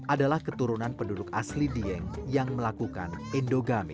adalah keturunan penduduk asli dieng yang melakukan endogame